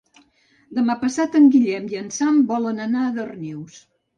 Demà passat en Guillem i en Sam volen anar a Darnius.